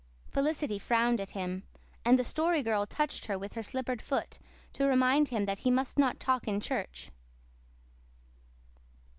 Felicity frowned at him, and the Story Girl touched her with her slippered foot to remind him that he must not talk in church.